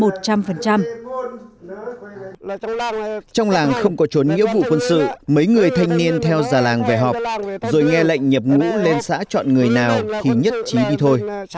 trong làng không có trốn nghĩa vụ quân sự mấy người thanh niên theo già làng về họp rồi nghe lệnh nhập ngũ lên xã chọn người nào thì nhất trí đi thôi